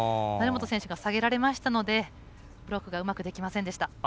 成本選手が下げられましたのでブロックがうまくできませんでした。